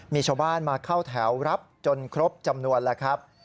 มีชาวบ้านมาเข้าแถวรับจนครบจำนวนแล้วครับ